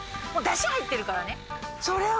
もう出汁入ってるからね。